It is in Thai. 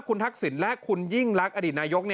คุณทักษิณและคุณยิ่งรักอดีตนายก